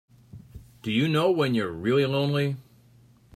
Do you know when you're really lonely?